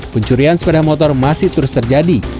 pencurian sepeda motor masih terus terjadi